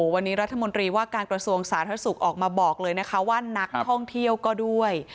วันนี้รัฐมนตรีว่าการกระทรวงสาธารณสุขออกมาบอกเลยนะคะว่านักท่องเที่ยวก็ด้วย